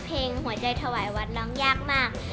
หัวใจถวายวัดน้องยากมาก